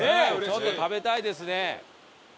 ちょっと食べたいですね。